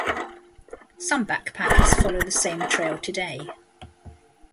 Some backpackers follow the same trail today.